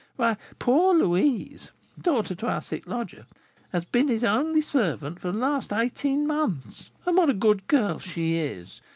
Why, poor Louise, daughter to our sick lodger, has been his only servant for the last eighteen months. And what a good girl she is!